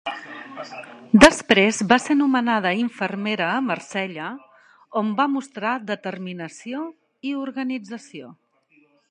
Després va ser nomenada infermera a Marsella, on va mostrar determinació i organització.